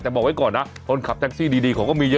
แต่บอกไว้ก่อนนะคนขับแท็กซี่ดีเขาก็มีเยอะ